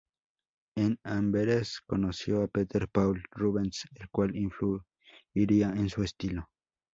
En Amberes conoció a Peter Paul Rubens el cual influiría en su estilo.